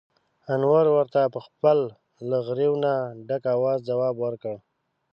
انور ورته په خپل له غريو نه ډک اواز ځواب ور کړ: